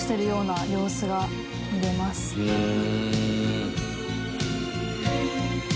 「うん！」